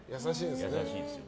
優しいですよ。